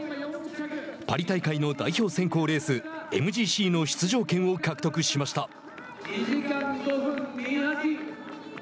パリ大会の代表選考レースＭＧＣの出場権を獲得しました。